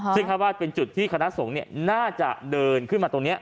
ซึ่งคาดว่าเป็นจุดที่คณะสงฆ์น่าจะเดินขึ้นมาตรงนี้